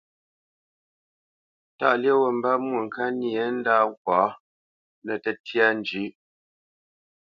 Tâʼ lyéʼ wût mbə́ Mwôŋkát nyê ndâ ŋkwǎ nə́ tə́tyā njʉ̌ʼ.